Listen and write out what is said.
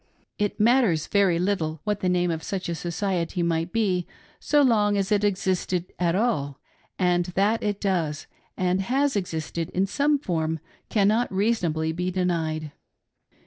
It matters very little what the name of such a society might be, so long as it existed at all ; and that it does, and has, ex isted in some form cannot reasonably be denied.